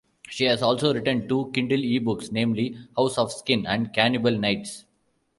She has also written two Kindle eBooks namely "House of Skin" and "Cannibal Nights".